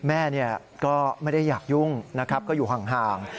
แม่ก็ไม่ได้อยากยุ่งนะครับก็อยู่ห่าง